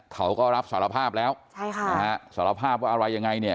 เขาก็รับสารภาพแล้วใช่ค่ะนะฮะสารภาพว่าอะไรยังไงเนี่ย